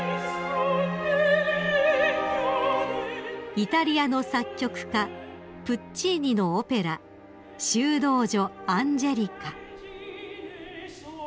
［イタリアの作曲家プッチーニのオペラ『修道女アンジェリカ』］